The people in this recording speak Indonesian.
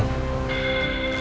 kita pulang aja